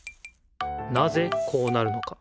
なぜこうなるのか。